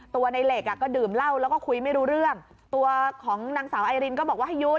ในเหล็กอ่ะก็ดื่มเหล้าแล้วก็คุยไม่รู้เรื่องตัวของนางสาวไอรินก็บอกว่าให้หยุด